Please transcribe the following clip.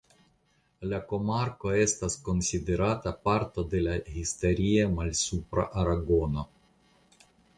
La komarko estas konsiderata parto de la Historia Malsupra Aragono.